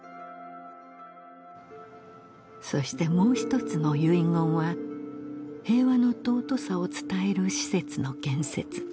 そしてもう一つの遺言は平和の尊さを伝える施設の建設